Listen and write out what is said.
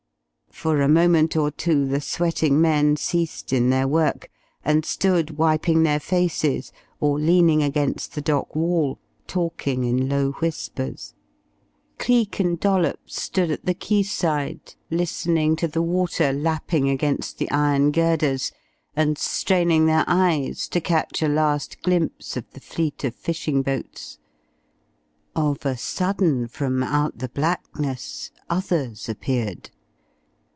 For a moment or two the sweating men ceased in their work, and stood wiping their faces or leaning against the dock wall, talking in low whispers. Cleek and Dollops stood at the quayside, listening to the water lapping against the iron girders, and straining their eyes to catch a last glimpse of the fleet of fishing boats. Of a sudden from out the blackness others appeared.